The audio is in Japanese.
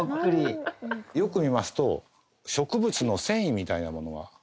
よく見ますと植物の繊維みたいなものが。